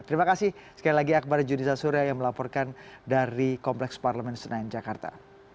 terima kasih sekali lagi akbar judiza surya yang melaporkan dari kompleks parlemen senayan jakarta